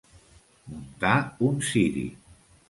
Muntar un ciri.